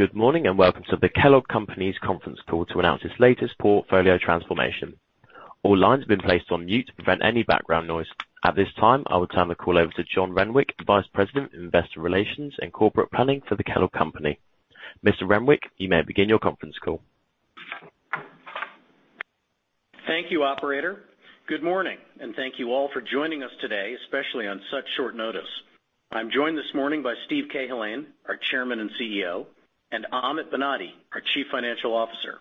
Good morning, and welcome to the Kellogg Company's conference call to announce its latest portfolio transformation. All lines have been placed on mute to prevent any background noise. At this time, I will turn the call over to John Renwick, Vice President of Investor Relations and Corporate Planning for the Kellogg Company. Mr. Renwick, you may begin your conference call. Thank you, operator. Good morning, and thank you all for joining us today, especially on such short notice. I'm joined this morning by Steve Cahillane, our Chairman and CEO, and Amit Banati, our Chief Financial Officer.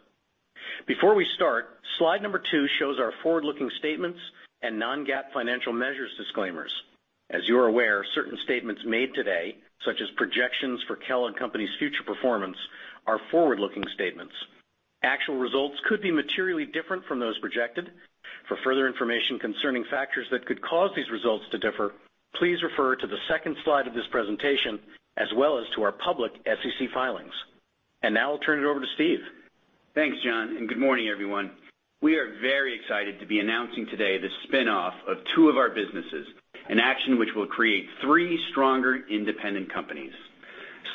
Before we start, slide number two shows our forward-looking statements and non-GAAP financial measures disclaimers. As you're aware, certain statements made today, such as projections for Kellogg Company's future performance, are forward-looking statements. Actual results could be materially different from those projected. For further information concerning factors that could cause these results to differ, please refer to the second slide of this presentation as well as to our public SEC filings. Now I'll turn it over to Steve. Thanks, John, and good morning, everyone. We are very excited to be announcing today the spin-off of two of our businesses, an action which will create three stronger independent companies.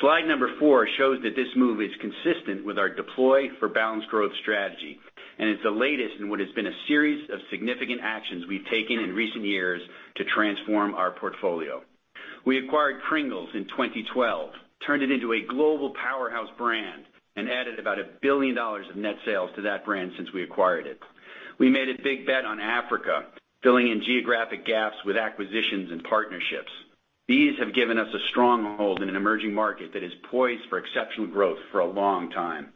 Slide number four shows that this move is consistent with our Deploy for Balanced Growth strategy, and it's the latest in what has been a series of significant actions we've taken in recent years to transform our portfolio. We acquired Pringles in 2012, turned it into a global powerhouse brand, and added about $1 billion of net sales to that brand since we acquired it. We made a big bet on Africa, filling in geographic gaps with acquisitions and partnerships. These have given us a stronghold in an emerging market that is poised for exceptional growth for a long time.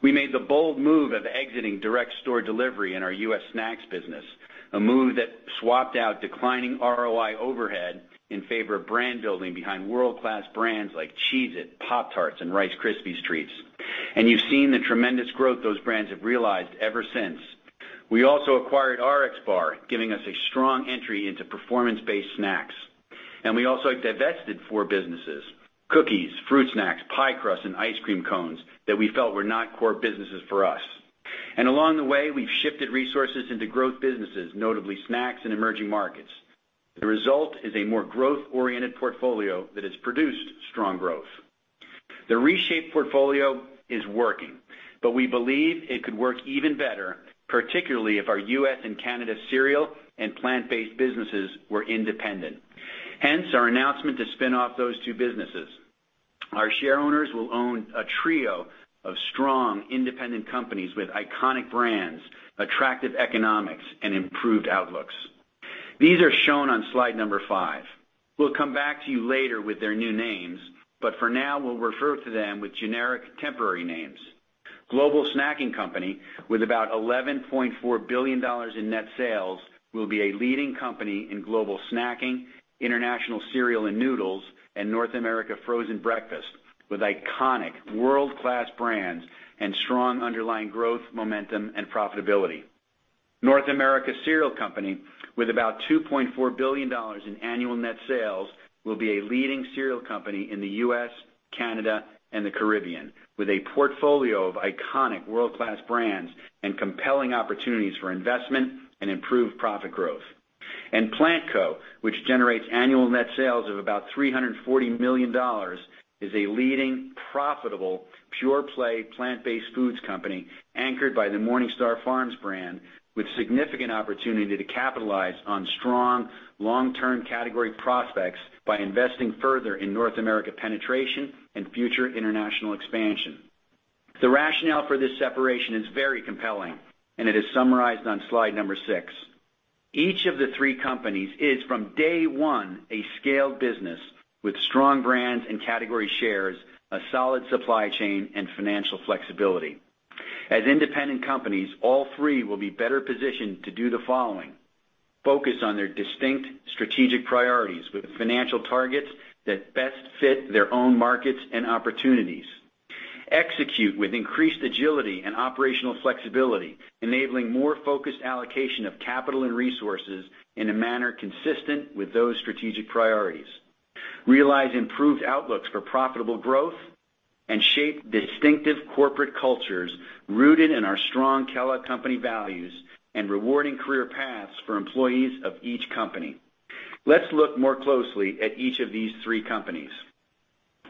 We made the bold move of exiting direct store delivery in our U.S. snacks business, a move that swapped out declining ROI overhead in favor of brand building behind world-class brands like Cheez-It, Pop-Tarts, and Rice Krispies Treats. You've seen the tremendous growth those brands have realized ever since. We also acquired RXBAR, giving us a strong entry into performance-based snacks. We also have divested four businesses, cookies, fruit snacks, pie crust, and ice cream cones, that we felt were not core businesses for us. Along the way, we've shifted resources into growth businesses, notably snacks and emerging markets. The result is a more growth-oriented portfolio that has produced strong growth. The reshaped portfolio is working, but we believe it could work even better, particularly if our U.S. and Canada cereal and plant-based businesses were independent, hence our announcement to spin off those two businesses. Our shareowners will own a trio of strong independent companies with iconic brands, attractive economics, and improved outlooks. These are shown on slide number five. We'll come back to you later with their new names, but for now, we'll refer to them with generic temporary names. Global Snacking Co, with about $11.4 billion in net sales, will be a leading company in global snacking, international cereal and noodles, and North America frozen breakfast with iconic world-class brands and strong underlying growth, momentum, and profitability. North America Cereal Co, with about $2.4 billion in annual net sales, will be a leading cereal company in the U.S., Canada, and the Caribbean, with a portfolio of iconic world-class brands and compelling opportunities for investment and improved profit growth. Plant Co, which generates annual net sales of about $340 million, is a leading profitable pure-play plant-based foods company anchored by the MorningStar Farms brand, with significant opportunity to capitalize on strong long-term category prospects by investing further in North America penetration and future international expansion. The rationale for this separation is very compelling, and it is summarized on slide six. Each of the three companies is, from day one, a scaled business with strong brands and category shares, a solid supply chain, and financial flexibility. As independent companies, all three will be better positioned to do the following. Focus on their distinct strategic priorities with financial targets that best fit their own markets and opportunities. Execute with increased agility and operational flexibility, enabling more focused allocation of capital and resources in a manner consistent with those strategic priorities. Realize improved outlooks for profitable growth and shape distinctive corporate cultures rooted in our strong Kellogg Company values and rewarding career paths for employees of each company. Let's look more closely at each of these three companies.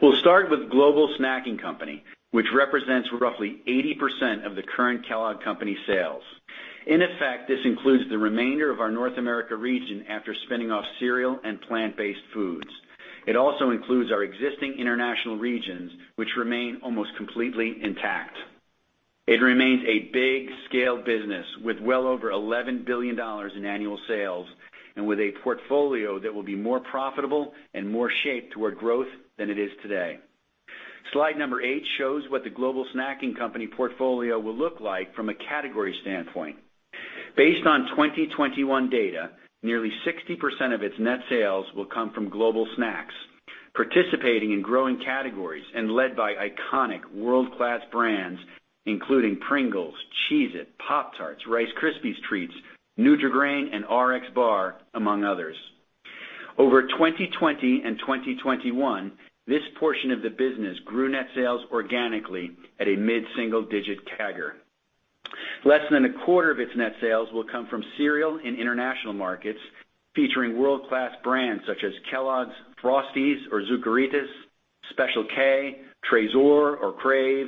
We'll start with Global Snacking Co, which represents roughly 80% of the current Kellogg Company sales. In effect, this includes the remainder of our North America region after spinning off cereal and plant-based foods. It also includes our existing international regions, which remain almost completely intact. It remains a big scale business with well over $11 billion in annual sales and with a portfolio that will be more profitable and more shaped toward growth than it is today. Slide number eight shows what the Global Snacking Co portfolio will look like from a category standpoint. Based on 2021 data, nearly 60% of its net sales will come from global snacks, participating in growing categories and led by iconic world-class brands, including Pringles, Cheez-It, Pop-Tarts, Rice Krispies Treats, Nutri-Grain, and RXBAR, among others. Over 2020 and 2021, this portion of the business grew net sales organically at a mid-single digit CAGR. Less than a quarter of its net sales will come from cereal in international markets, featuring world-class brands such as Kellogg's Frosties or Zucaritas, Special K, Trésor or Krave,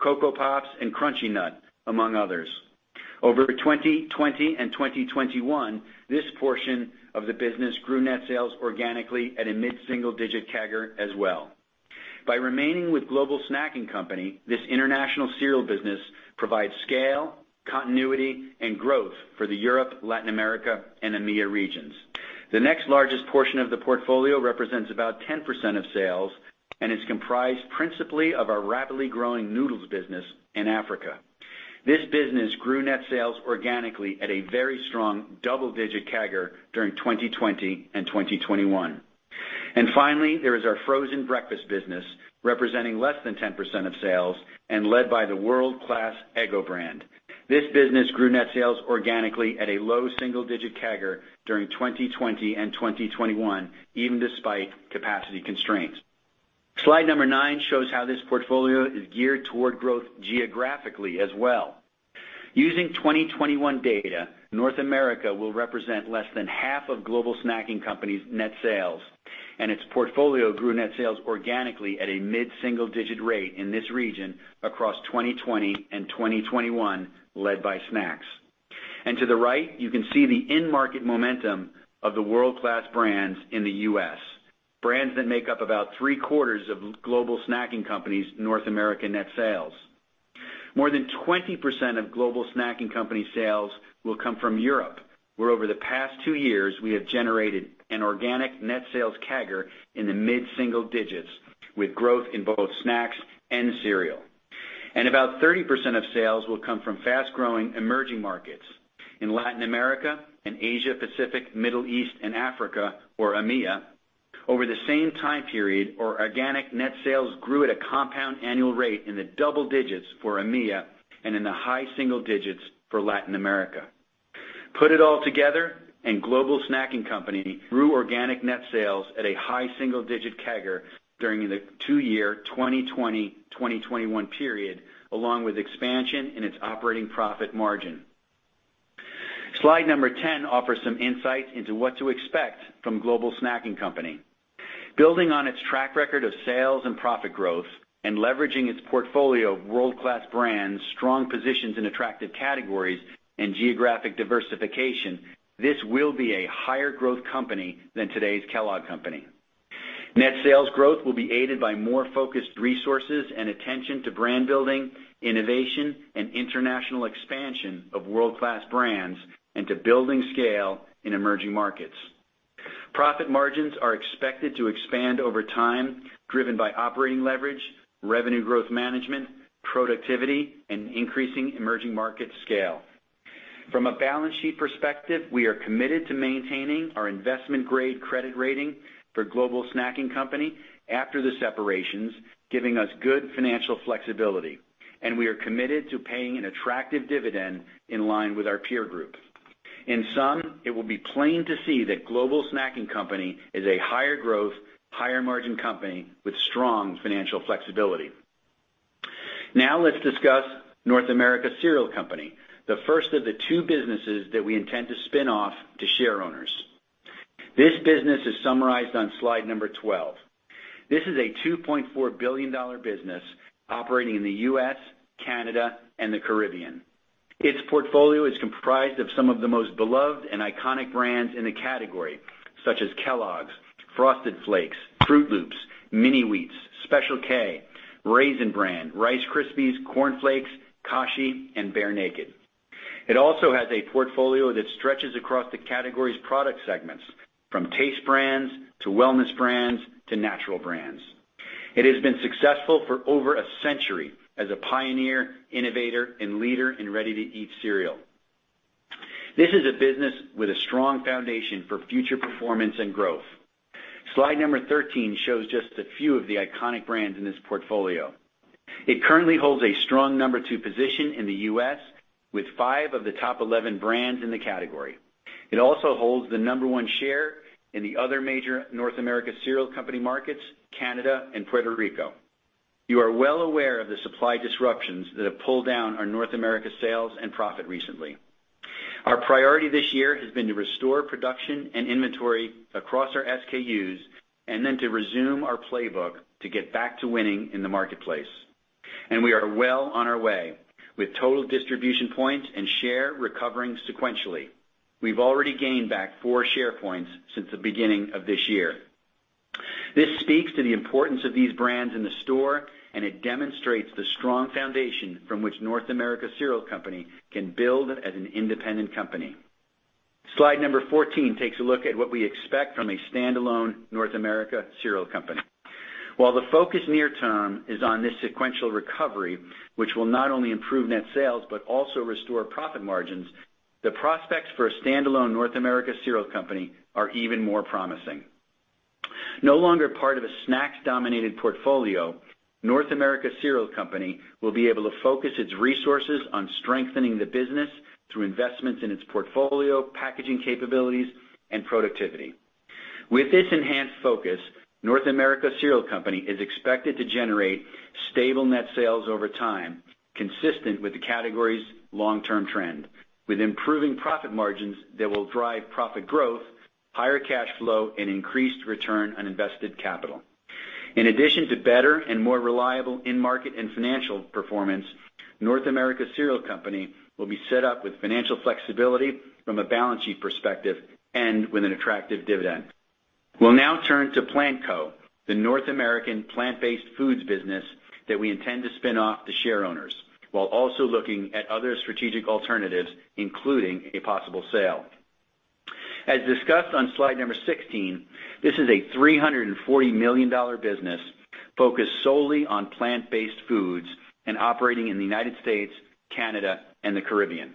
Coco Pops, and Crunchy Nut, among others. Over 2020 and 2021, this portion of the business grew net sales organically at a mid-single digit CAGR as well. By remaining with Global Snacking Co, this international cereal business provides scale, continuity and growth for the Europe, Latin America and AMEA regions. The next largest portion of the portfolio represents about 10% of sales and is comprised principally of our rapidly growing noodles business in Africa. This business grew net sales organically at a very strong double-digit CAGR during 2020 and 2021. Finally, there is our frozen breakfast business, representing less than 10% of sales and led by the world-class Eggo brand. This business grew net sales organically at a low single-digit CAGR during 2020 and 2021, even despite capacity constraints. Slide number nine shows how this portfolio is geared toward growth geographically as well. Using 2021 data, North America will represent less than half of Global Snacking Co's net sales, and its portfolio grew net sales organically at a mid-single-digit rate in this region across 2020 and 2021, led by snacks. To the right, you can see the end market momentum of the world-class brands in the U.S., brands that make up about three-quarters of Global Snacking Co's North America net sales. More than 20% of Global Snacking Co sales will come from Europe, where over the past 2 years, we have generated an organic net sales CAGR in the mid-single digits, with growth in both snacks and cereal. About 30% of sales will come from fast-growing emerging markets in Latin America and Asia, Pacific, Middle East and Africa, or AMEA. Over the same time period, our organic net sales grew at a compound annual rate in the double digits for EMEA and in the high single digits for Latin America. Put it all together, and Global Snacking Co grew organic net sales at a high single digit CAGR during the two-year 2020, 2021 period, along with expansion in its operating profit margin. Slide number 10 offers some insight into what to expect from Global Snacking Co. Building on its track record of sales and profit growth and leveraging its portfolio of world-class brands, strong positions in attractive categories and geographic diversification, this will be a higher growth company than today's Kellogg Company. Net sales growth will be aided by more focused resources and attention to brand building, innovation and international expansion of world-class brands, and to building scale in emerging markets. Profit margins are expected to expand over time, driven by operating leverage, revenue growth management, productivity and increasing emerging market scale. From a balance sheet perspective, we are committed to maintaining our investment grade credit rating for Global Snacking Co after the separations, giving us good financial flexibility, and we are committed to paying an attractive dividend in line with our peer group. In sum, it will be plain to see that Global Snacking Co is a higher growth, higher margin company with strong financial flexibility. Now let's discuss North America Cereal Co, the first of the two businesses that we intend to spin off to share owners. This business is summarized on slide 12. This is a $2.4 billion business operating in the U.S., Canada and the Caribbean. Its portfolio is comprised of some of the most beloved and iconic brands in the category, such as Kellogg's Frosted Flakes, Froot Loops, Mini-Wheats, Special K, Raisin Bran, Rice Krispies, Corn Flakes, Kashi and Bear Naked. It has a portfolio that stretches across the categories product segments, from taste brands to wellness brands to natural brands. It has been successful for over a century as a pioneer, innovator and leader in ready-to-eat cereal. This is a business with a strong foundation for future performance and growth. Slide number 13 shows just a few of the iconic brands in this portfolio. It currently holds a strong number two position in the U.S., with 5 of the top 11 brands in the category. It also holds the number one share in the other major North American cereal markets, Canada and Puerto Rico. You are well aware of the supply disruptions that have pulled down our North America sales and profit recently. Our priority this year has been to restore production and inventory across our SKUs and then to resume our playbook to get back to winning in the marketplace. We are well on our way, with total distribution points and share recovering sequentially. We've already gained back four share points since the beginning of this year. This speaks to the importance of these brands in the store, and it demonstrates the strong foundation from which North America Cereal Co can build as an independent company. Slide number 14 takes a look at what we expect from a standalone North America Cereal Co. While the focus near term is on this sequential recovery, which will not only improve net sales but also restore profit margins, the prospects for a standalone North America Cereal Co. are even more promising. No longer part of a snack-dominated portfolio, North America Cereal Co will be able to focus its resources on strengthening the business through investments in its portfolio, packaging capabilities and productivity. With this enhanced focus, North America Cereal Co is expected to generate stable net sales over time, consistent with the category's long-term trend, with improving profit margins that will drive profit growth, higher cash flow, and increased return on invested capital. In addition to better and more reliable in-market and financial performance, North America Cereal Co will be set up with financial flexibility from a balance sheet perspective and with an attractive dividend. We'll now turn to Plant Co, the North American plant-based foods business that we intend to spin off to shareowners, while also looking at other strategic alternatives, including a possible sale. As discussed on slide 16, this is a $340 million business focused solely on plant-based foods and operating in the United States, Canada, and the Caribbean.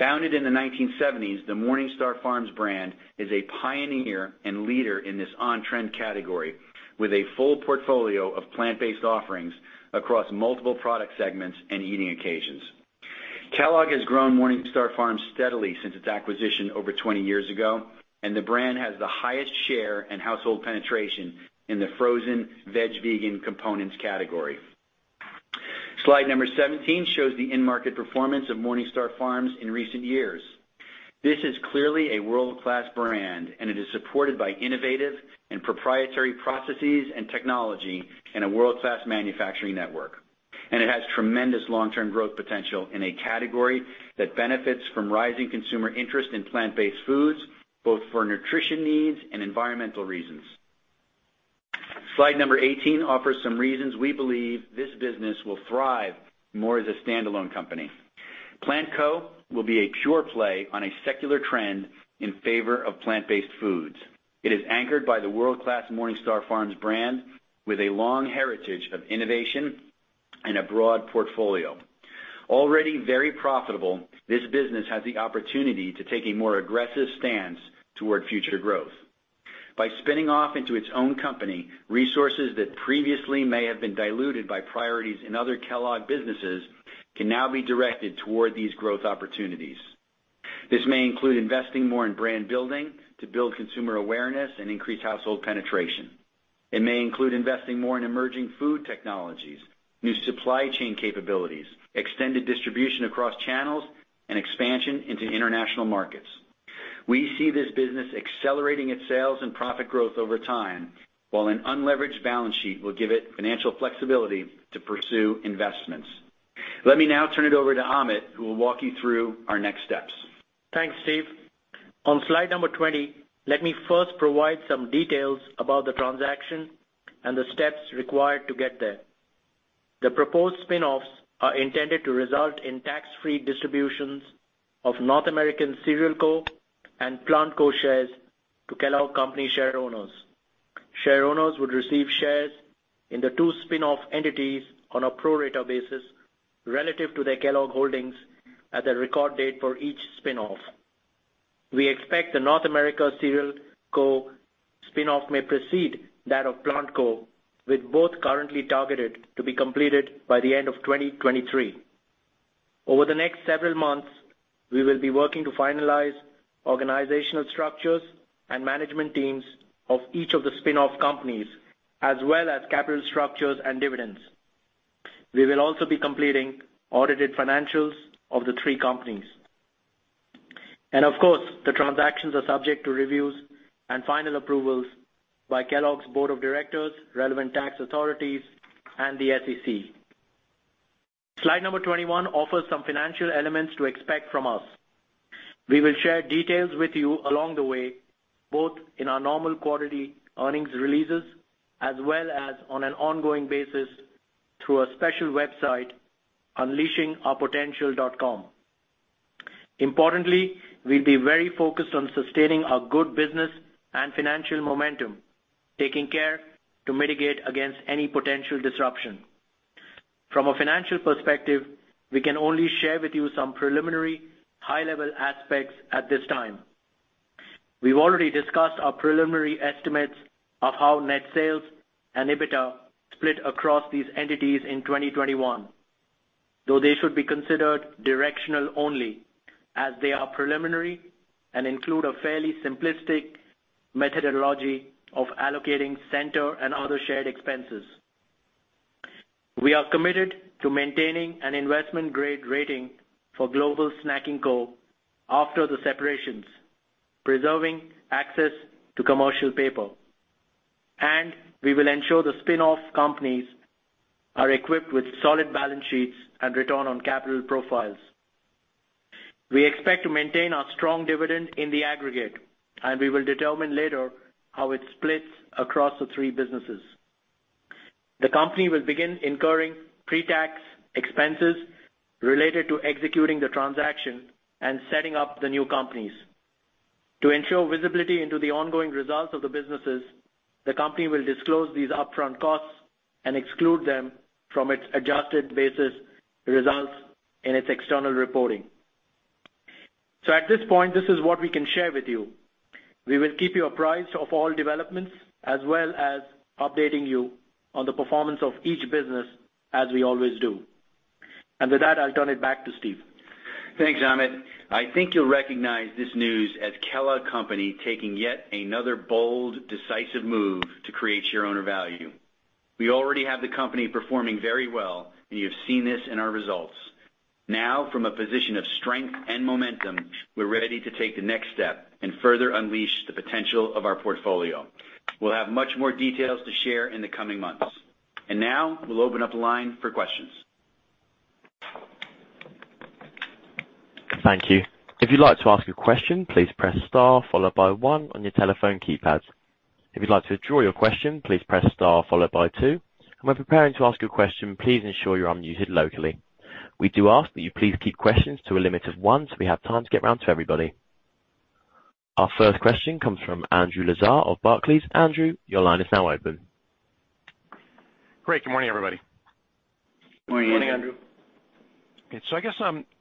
Founded in the 1970s, the MorningStar Farms brand is a pioneer and leader in this on-trend category, with a full portfolio of plant-based offerings across multiple product segments and eating occasions. Kellogg has grown MorningStar Farms steadily since its acquisition over 20 years ago, and the brand has the highest share and household penetration in the frozen veg/vegan components category. Slide 17 shows the in-market performance of MorningStar Farms in recent years. This is clearly a world-class brand, and it is supported by innovative and proprietary processes and technology in a world-class manufacturing network. It has tremendous long-term growth potential in a category that benefits from rising consumer interest in plant-based foods, both for nutrition needs and environmental reasons. Slide number 18 offers some reasons we believe this business will thrive more as a standalone company. Plant Co will be a pure play on a secular trend in favor of plant-based foods. It is anchored by the world-class MorningStar Farms brand with a long heritage of innovation and a broad portfolio. Already very profitable, this business has the opportunity to take a more aggressive stance toward future growth. By spinning off into its own company, resources that previously may have been diluted by priorities in other Kellogg businesses can now be directed toward these growth opportunities. This may include investing more in brand building to build consumer awareness and increase household penetration. It may include investing more in emerging food technologies, new supply chain capabilities, extended distribution across channels, and expansion into international markets. We see this business accelerating its sales and profit growth over time, while an unleveraged balance sheet will give it financial flexibility to pursue investments. Let me now turn it over to Amit, who will walk you through our next steps. Thanks, Steve. On slide number 20, let me first provide some details about the transaction and the steps required to get there. The proposed spin-offs are intended to result in tax-free distributions of North America Cereal Co and Plant Co shares to Kellogg Company shareowners. Shareowners would receive shares in the two spin-off entities on a pro rata basis relative to their Kellogg holdings at the record date for each spin-off. We expect the North America Cereal Co. spin-off may precede that of Plant Co, with both currently targeted to be completed by the end of 2023. Over the next several months, we will be working to finalize organizational structures and management teams of each of the spin-off companies, as well as capital structures and dividends. We will also be completing audited financials of the three companies. Of course, the transactions are subject to reviews and final approvals by Kellogg's Board of Directors, relevant tax authorities, and the SEC. Slide number 21 offers some financial elements to expect from us. We will share details with you along the way, both in our normal quarterly earnings releases as well as on an ongoing basis through a special website, unleashingourpotential.com. Importantly, we'll be very focused on sustaining our good business and financial momentum, taking care to mitigate against any potential disruption. From a financial perspective, we can only share with you some preliminary high-level aspects at this time. We've already discussed our preliminary estimates of how net sales and EBITDA split across these entities in 2021, though they should be considered directional only, as they are preliminary and include a fairly simplistic methodology of allocating center and other shared expenses. We are committed to maintaining an investment-grade rating for Global Snacking Co after the separations, preserving access to commercial paper, and we will ensure the spin-off companies are equipped with solid balance sheets and return on capital profiles. We expect to maintain our strong dividend in the aggregate, and we will determine later how it splits across the three businesses. The company will begin incurring pre-tax expenses related to executing the transaction and setting up the new companies. To ensure visibility into the ongoing results of the businesses, the company will disclose these upfront costs and exclude them from its adjusted basis results in its external reporting. So at this point, this is what we can share with you. We will keep you apprised of all developments as well as updating you on the performance of each business as we always do. With that, I'll turn it back to Steve. Thanks, Amit. I think you'll recognize this news as Kellogg Company taking yet another bold, decisive move to create shareowner value. We already have the company performing very well, and you've seen this in our results. Now, from a position of strength and momentum, we're ready to take the next step and further unleash the potential of our portfolio. We'll have much more details to share in the coming months. Now we'll open up the line for questions. Thank you. If you'd like to ask a question, please press star followed by one on your telephone keypad. If you'd like to withdraw your question, please press star followed by two. When preparing to ask your question, please ensure you're unmuted locally. We do ask that you please keep questions to a limit of one so we have time to get around to everybody. Our first question comes from Andrew Lazar of Barclays. Andrew, your line is now open. Great. Good morning, everybody. Good morning, Andrew. I guess,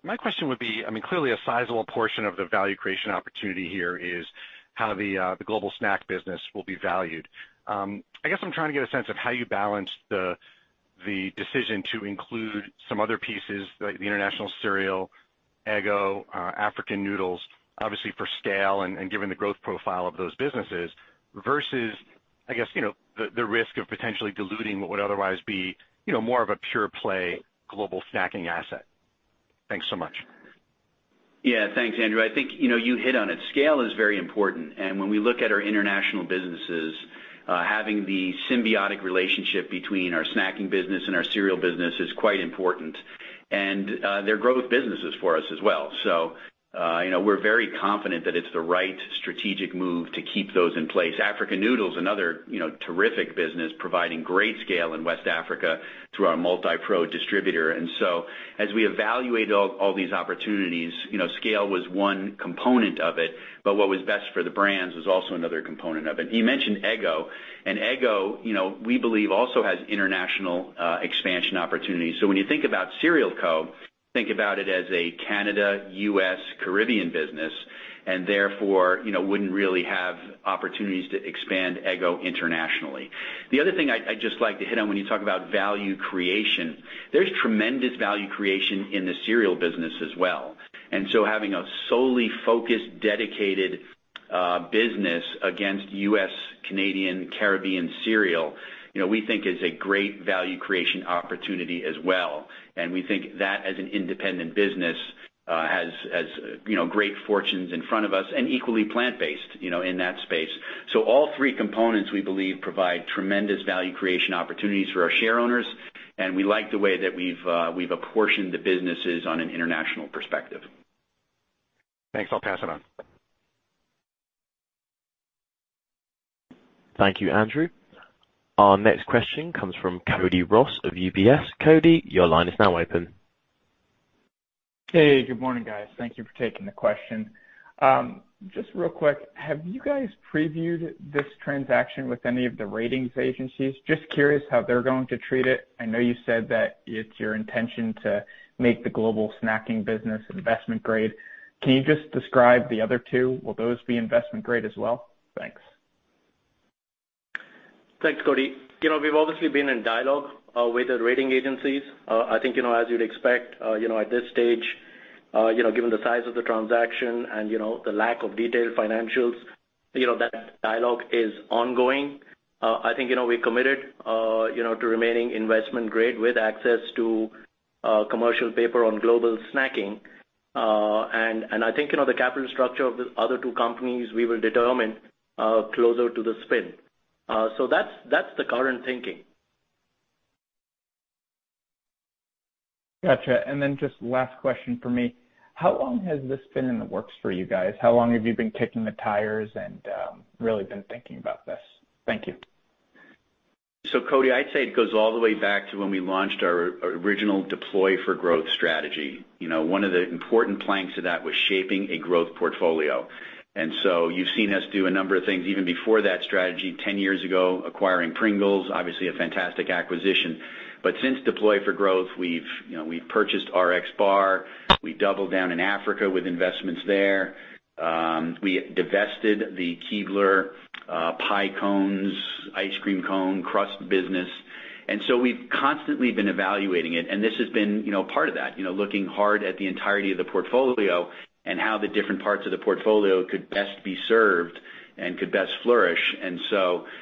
my question would be, I mean, clearly a sizable portion of the value creation opportunity here is how the global snack business will be valued. I guess I'm trying to get a sense of how you balance the decision to include some other pieces like the international cereal, Eggo, African Noodles, obviously for scale and given the growth profile of those businesses, versus, I guess, you know, the risk of potentially diluting what would otherwise be, you know, more of a pure play global snacking asset. Thanks so much. Yeah, thanks, Andrew. I think, you know, you hit on it. Scale is very important. When we look at our international businesses, having the symbiotic relationship between our snacking business and our cereal business is quite important, and they're growth businesses for us as well. You know, we're very confident that it's the right strategic move to keep those in place. African Noodles, another, you know, terrific business providing great scale in West Africa through our Multipro distributor. As we evaluate all these opportunities, you know, scale was one component of it, but what was best for the brands was also another component of it. You mentioned Eggo, and Eggo, you know, we believe also has international expansion opportunities. When you think about Cereal Co, think about it as a Canada-U.S.-Caribbean business and therefore, you know, wouldn't really have opportunities to expand Eggo internationally. The other thing I'd just like to hit on when you talk about value creation, there's tremendous value creation in the cereal business as well. Having a solely focused, dedicated, business against U.S., Canadian, Caribbean cereal, you know, we think is a great value creation opportunity as well. We think that as an independent business, has, you know, great fortunes in front of us and equally plant-based, you know, in that space. All three components, we believe, provide tremendous value creation opportunities for our shareowners, and we like the way that we've apportioned the businesses on an international perspective. Thanks. I'll pass it on. Thank you, Andrew. Our next question comes from Cody Ross of UBS. Cody, your line is now open. Hey, good morning, guys. Thank you for taking the question. Just real quick, have you guys previewed this transaction with any of the rating agencies? Just curious how they're going to treat it. I know you said that it's your intention to make the global snacking business investment grade. Can you just describe the other two? Will those be investment grade as well? Thanks. Thanks, Cody. You know, we've obviously been in dialogue with the rating agencies. I think, you know, as you'd expect, you know, at this stage, you know, given the size of the transaction and, you know, the lack of detailed financials, you know, that dialogue is ongoing. I think, you know, we're committed, you know, to remaining investment grade with access to commercial paper on global snacking. And I think, you know, the capital structure of the other two companies, we will determine closer to the spin. So that's the current thinking. Gotcha. Just last question for me. How long has this been in the works for you guys? How long have you been kicking the tires and, really been thinking about this? Thank you. Cody, I'd say it goes all the way back to when we launched our original Deploy for Growth strategy. You know, one of the important planks to that was shaping a growth portfolio. You've seen us do a number of things even before that strategy 10 years ago, acquiring Pringles, obviously a fantastic acquisition. Since Deploy for Growth, we've, you know, we've purchased RXBAR, we doubled down in Africa with investments there. We divested the Keebler pie cones, ice cream cone, crust business. We've constantly been evaluating it, and this has been, you know, part of that, you know, looking hard at the entirety of the portfolio and how the different parts of the portfolio could best be served and could best flourish.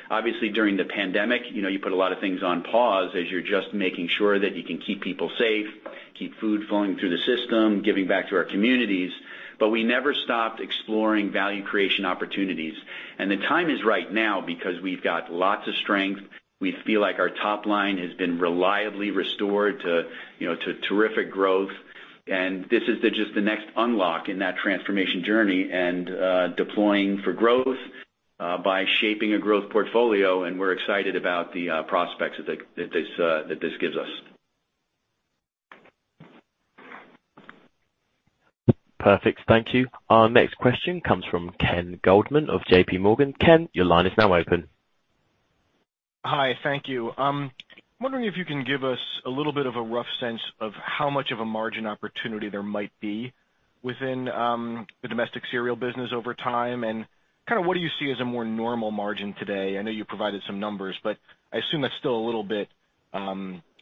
Obviously, during the pandemic, you know, you put a lot of things on pause as you're just making sure that you can keep people safe, keep food flowing through the system, giving back to our communities. We never stopped exploring value creation opportunities. The time is right now because we've got lots of strength. We feel like our top line has been reliably restored to, you know, to terrific growth. This is just the next unlock in that transformation journey and, deploying for Growth, by shaping a growth portfolio, and we're excited about the prospects that this gives us. Perfect. Thank you. Our next question comes from Ken Goldman of JPMorgan. Ken, your line is now open. Hi, thank you. I'm wondering if you can give us a little bit of a rough sense of how much of a margin opportunity there might be within the domestic cereal business over time, and kind of what do you see as a more normal margin today? I know you provided some numbers, but I assume that's still a little bit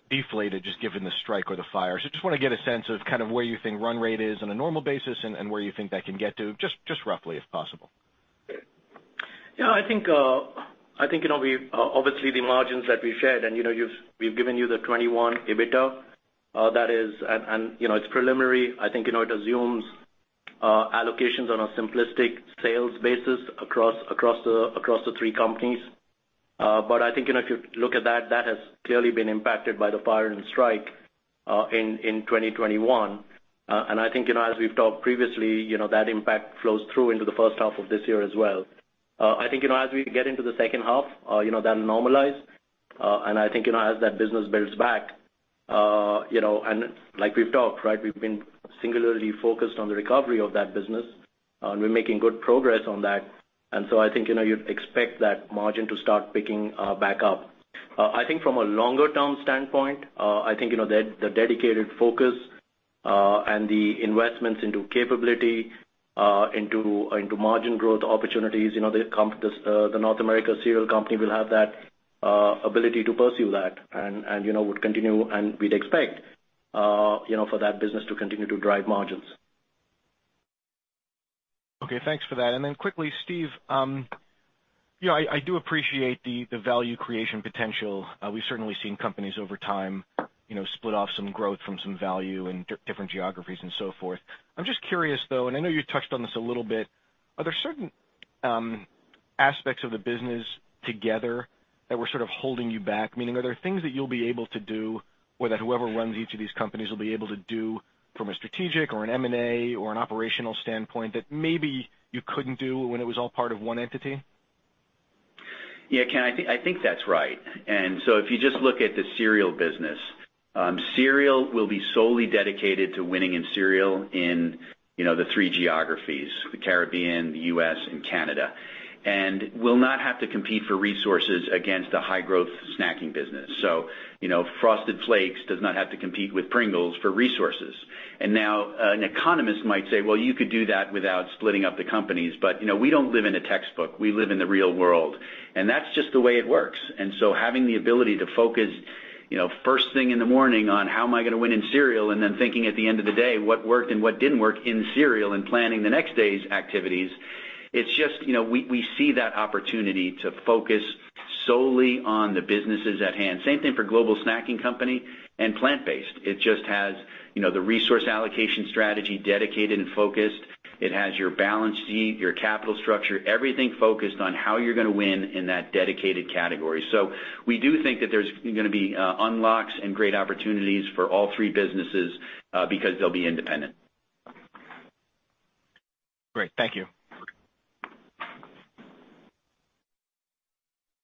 deflated just given the strike or the fire. Just wanna get a sense of kind of where you think run rate is on a normal basis and where you think that can get to, just roughly, if possible. Yeah, I think you know, we obviously, the margins that we've shared, and you know, we've given you the 2021 EBITDA, that is, and you know, it's preliminary. I think you know, it assumes allocations on a simplistic sales basis across the three companies. I think you know, if you look at that has clearly been impacted by the fire and strike in 2021. I think you know, as we've talked previously, you know, that impact flows through into the first half of this year as well. I think you know, as we get into the second half, you know, that'll normalize. I think, you know, as that business builds back, you know, and like we've talked, right, we've been singularly focused on the recovery of that business, and we're making good progress on that. I think, you know, you'd expect that margin to start picking back up. I think from a longer term standpoint, I think, you know, the dedicated focus and the investments into capability into margin growth opportunities, you know, this, the North America Cereal Co will have that ability to pursue that and, you know, would continue and we'd expect, you know, for that business to continue to drive margins. Okay, thanks for that. Quickly, Steve, you know, I do appreciate the value creation potential. We've certainly seen companies over time, you know, split off some growth from some value in different geographies and so forth. I'm just curious, though, and I know you touched on this a little bit. Are there certain aspects of the business together that were sort of holding you back? Meaning, are there things that you'll be able to do or that whoever runs each of these companies will be able to do from a strategic or an M&A or an operational standpoint that maybe you couldn't do when it was all part of one entity? Yeah, Ken, I think that's right. If you just look at the cereal business, cereal will be solely dedicated to winning in cereal in, you know, the three geographies, the Caribbean, the U.S., and Canada. It will not have to compete for resources against a high growth snacking business. You know, Frosted Flakes does not have to compete with Pringles for resources. Now an economist might say, "Well, you could do that without splitting up the companies." You know, we don't live in a textbook, we live in the real world, and that's just the way it works. Having the ability to focus, you know, first thing in the morning on how am I gonna win in cereal, and then thinking at the end of the day, what worked and what didn't work in cereal and planning the next day's activities, it's just, you know, we see that opportunity to focus solely on the businesses at hand. Same thing for Global Snacking Co and plant-based. It just has, you know, the resource allocation strategy dedicated and focused. It has your balance sheet, your capital structure, everything focused on how you're gonna win in that dedicated category. We do think that there's gonna be unlocks and great opportunities for all three businesses because they'll be independent. Great. Thank you.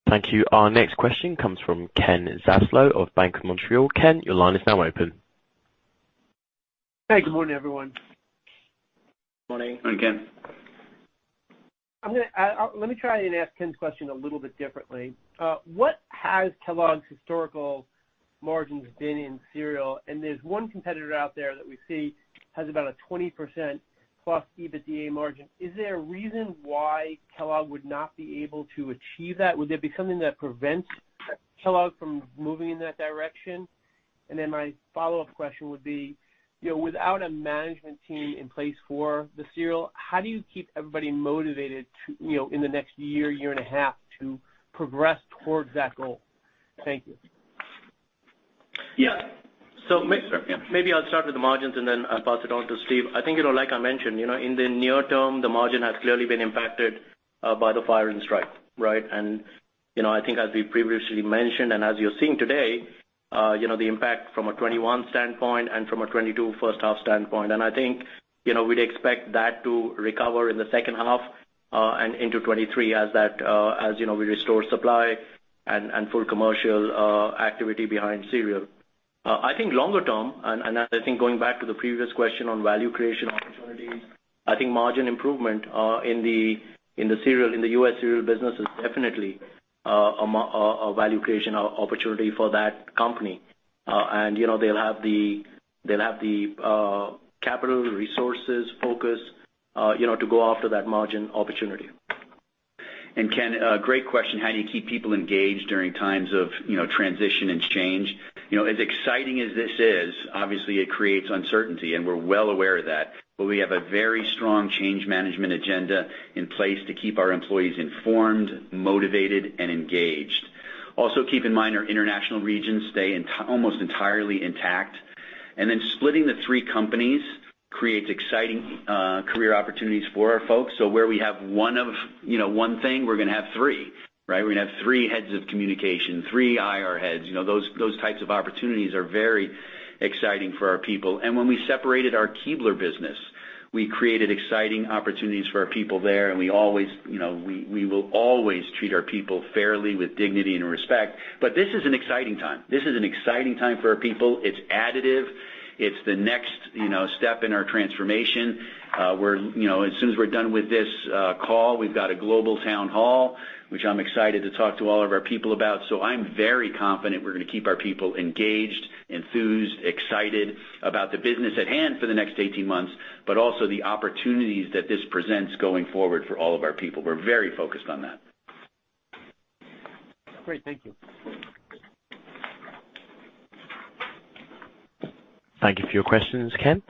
Thank you. Our next question comes from Ken Zaslow of Bank of Montreal. Ken, your line is now open. Hey, good morning, everyone. Morning. Morning, Ken. Let me try and ask Ken's question a little bit differently. What has Kellogg's historical margins been in cereal? And there's one competitor out there that we see has about a 20%+ EBITDA margin. Is there a reason why Kellogg would not be able to achieve that? Would there be something that prevents Kellogg from moving in that direction? And then my follow-up question would be, you know, without a management team in place for the cereal, how do you keep everybody motivated to, you know, in the next year and a half to progress towards that goal? Thank you. Yeah. Sure, yeah. Maybe I'll start with the margins, and then I'll pass it on to Steve. I think, you know, like I mentioned, you know, in the near term, the margin has clearly been impacted by the fire and strike, right? You know, I think as we previously mentioned, and as you're seeing today, you know, the impact from a 2021 standpoint and from a 2022 first half standpoint. I think, you know, we'd expect that to recover in the second half and into 2023 as that, you know, we restore supply and full commercial activity behind cereal. I think longer term, I think going back to the previous question on value creation opportunities, I think margin improvement in the U.S. cereal business is definitely a value creation opportunity for that company. You know, they'll have the capital, resources, focus, you know, to go after that margin opportunity. Ken, great question. How do you keep people engaged during times of, you know, transition and change? You know, as exciting as this is, obviously it creates uncertainty, and we're well aware of that. We have a very strong change management agenda in place to keep our employees informed, motivated and engaged. Also, keep in mind our international regions stay almost entirely intact. Splitting the three companies creates exciting, career opportunities for our folks. Where we have one of, you know, one thing, we're gonna have three, right? We're gonna have three heads of communication, three IR heads. You know, those types of opportunities are very exciting for our people. When we separated our Keebler business, we created exciting opportunities for our people there, and we always, you know, we will always treat our people fairly with dignity and respect. This is an exciting time. This is an exciting time for our people. It's additive. It's the next, you know, step in our transformation. We're, you know, as soon as we're done with this call, we've got a global town hall, which I'm excited to talk to all of our people about. I'm very confident we're gonna keep our people engaged, enthused, excited about the business at hand for the next 18 months, but also the opportunities that this presents going forward for all of our people. We're very focused on that. Great. Thank you. Thank you for your questions, Ken.